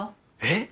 えっ？